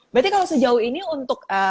berarti kalau sejauh ini untuk